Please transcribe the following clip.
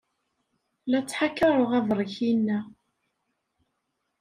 La ttḥakaṛeɣ abṛik-inna.